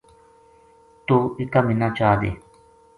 توہ اِکا مَنا چادے